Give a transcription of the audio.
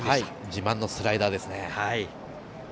自慢のスライダーですね。